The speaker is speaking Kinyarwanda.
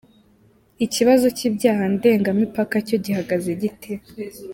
Ikibazo cy’ibyaha ndengamipaka cyo gihagaze gite?.